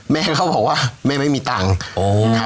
แม่เขาบอกว่าแม่ไม่มีตังค์